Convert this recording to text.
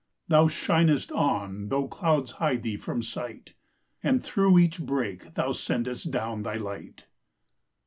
Thou shinest on though clouds hide thee from sight, And through each break thou sendest down thy light.